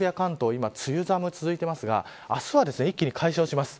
今、梅雨寒が続いていますが明日は一気に解消します。